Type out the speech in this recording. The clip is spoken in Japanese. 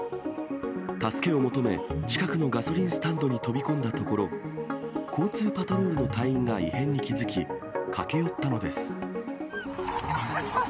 助けを求め、近くのガソリンスタンドに飛び込んだところ、交通パトロールの隊員が異変に気付き、駆け寄ったのです。